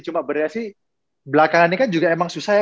cuma berarti belakangan ini kan juga emang susah ya